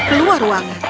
dia keluar ruangan